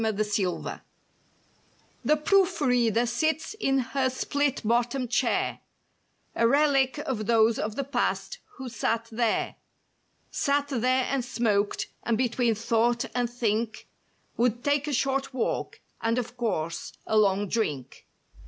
109 THE PROOF READER The proof reader sits in her split bottom chair, (A relict of those of the past who sat there; Sat there and smoked and between thought and think Would take a short walk and, of course, a long drink.